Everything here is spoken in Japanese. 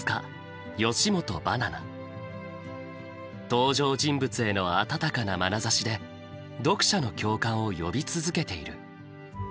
登場人物への温かなまなざしで読者の共感を呼び続けている。